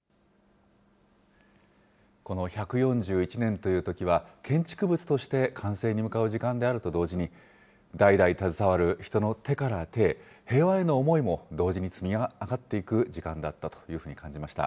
この１４１年という時は、建築物として完成に向かう時間であると同時に、代々携わる人の手から手へ、平和への思いも同時に積み上がっていく時間だったというふうに感じました。